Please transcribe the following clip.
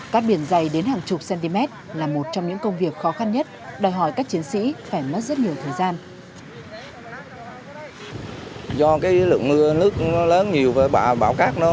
cát biển dày đến hàng chục cm là một trong những công việc khó khăn nhất đòi hỏi các chiến sĩ phải mất rất nhiều thời gian